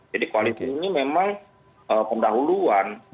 jadi kualitas ini memang pendahuluan